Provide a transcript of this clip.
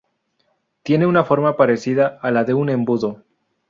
Tiene una forma parecida a la de un embudo.